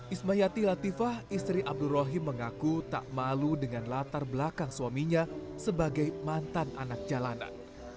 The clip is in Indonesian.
ismayati latifah istri abdul rohim mengaku tak malu dengan latar belakang suaminya sebagai mantan anak jalanan